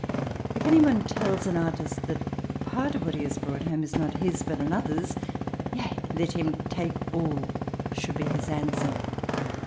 If any one tells an artist that part of what he has brought home is not his but another's, "Yea, let him take all," should be his answer.